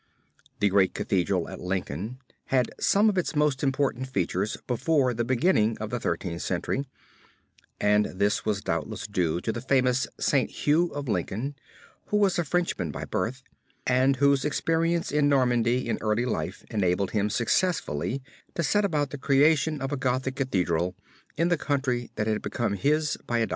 The great Cathedral at Lincoln had some of its most important features before the beginning of the Thirteenth Century and this was doubtless due to the famous St. Hugh of Lincoln, who was a Frenchman by birth and whose experience in Normandy in early life enabled him successfully to set about the creation of a Gothic Cathedral in the country that had become his by adoption.